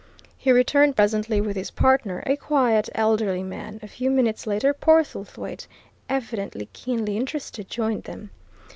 He returned presently with his partner, a quiet, elderly man; a few minutes later Portlethwaite, evidently keenly interested, joined them.